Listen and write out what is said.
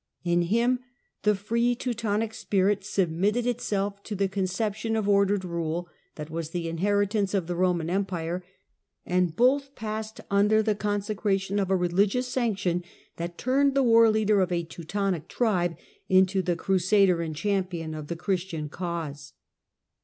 In him the free Teutonic spirit submitted itself Ito the conception of ordered rule that was the inherit Imce of the Roman Empire, and both passed under the Iconsecration of a religious sanction that turned the war jleader of a Teutonic tribe into the crusader and ■champion of the Christian cause.